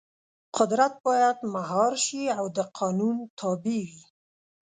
قدرت باید مهار شي او د قانون تابع وي.